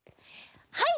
はい！